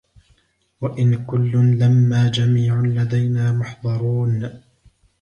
وَإِنْ كُلٌّ لَمَّا جَمِيعٌ لَدَيْنَا مُحْضَرُونَ